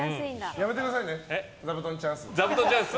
やめてくださいねザブトンチャンス。